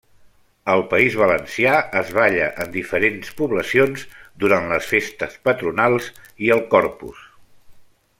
Al País Valencià es balla en diferents poblacions durant les festes patronals i el Corpus.